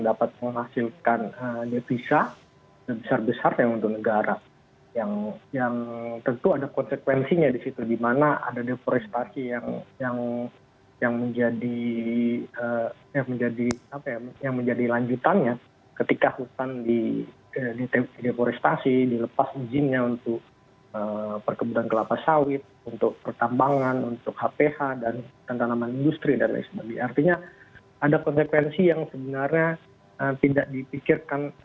dalam beberapa kali kesempatan berdiskusi di dpr